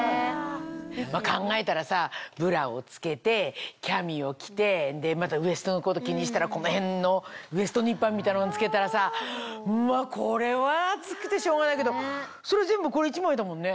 考えたらさブラを着けてキャミを着てウエストのこと気にしたらこの辺のウエストニッパーみたいなの着けたらさこれは暑くてしょうがないけどそれ全部これ１枚だもんね。